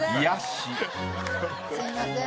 すみません。